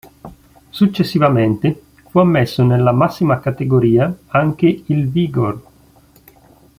Successivamente fu ammesso nella massima categoria anche il Vigor.